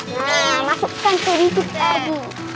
nah masukkan ke situ pagi